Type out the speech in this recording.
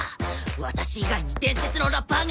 ワタシ以外に伝説のラッパーが。